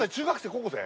高校生？